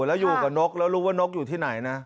แล้วอยู่กับนกแล้วรู้ว่านกอยู่ที่ไหนนะ